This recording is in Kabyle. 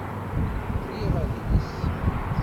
Liɣ adlis